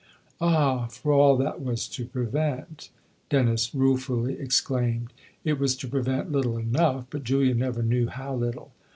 " Ah ! for all that was to prevent !" Dennis rue fully exclaimed. " It was to prevent little enough, but Julia never knew how little.